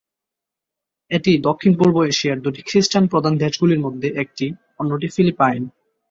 এটি দক্ষিণ-পূর্ব এশিয়ার দুটি খ্রিস্টান প্রধান দেশগুলির মধ্যে একটি, অন্যটি ফিলিপাইন।